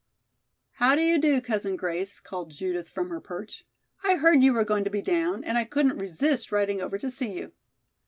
"How do you do, Cousin Grace?" called Judith from her perch. "I heard you were going to be down and I couldn't resist riding over to see you."